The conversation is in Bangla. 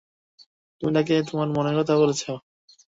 তুমি তাকে তোমার মনের কথা বলেছ?